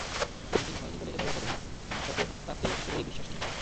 কোনো দিন হয়নি বলে এবারও হবে না, মাশরাফির তাতে একেবারেই বিশ্বাস নেই।